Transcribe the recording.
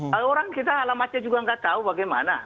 kalau orang kita alamatnya juga nggak tahu bagaimana